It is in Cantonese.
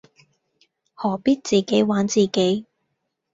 何必自己玩自己